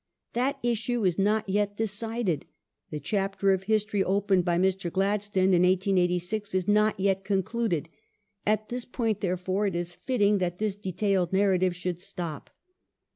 That issue is not yet decided ; the chapter of history opened by Mr. Gladstone in 1886 is not yet concluded ; at this point, therefore, it is fitting that this detailed narrative should stop.